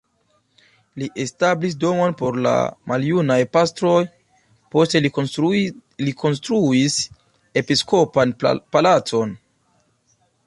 Li establis domon por la maljunaj pastroj, poste li konstruis episkopan palacon.